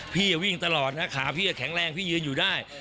พี่วิ่งตลอดนะขาพี่จะแข็งแรงพี่ยืนอยู่ได้